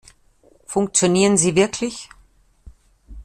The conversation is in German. Funktionieren sie wirklich?